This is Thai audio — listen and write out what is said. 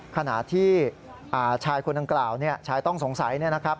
ขณะที่ชายคนดังกล่าวชายต้องสงสัยเนี่ยนะครับ